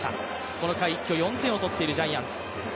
この回、４点を取っているジャイアンツ。